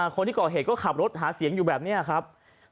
คนที่ก่อเหตุก็ขับรถหาเสียงอยู่แบบนี้ครับ